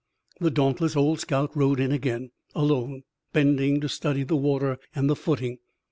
The dauntless old scout rode in again, alone, bending to study the water and the footing.